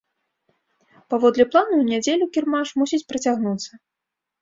Паводле плану, у нядзелю кірмаш мусіць працягнуцца.